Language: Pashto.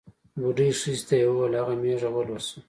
بوډۍ ښځې ته یې ووېل هغه مېږه ولوسه.